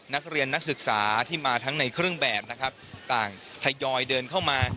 นักศึกษาที่มาทั้งในเครื่องแบบนะครับต่างทยอยเดินเข้ามา